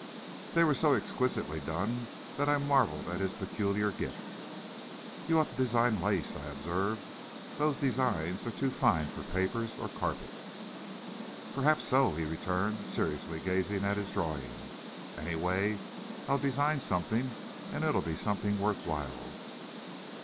They were so exquisitely done that I marveled at his peculiar gift. "You ought to design lace," I observed; "those designs are too fine for papers or carpets." "Perhaps so," he returned, seriously gazing at his drawings. "Anyway, I'll design something, and it'll be something worthwhile!"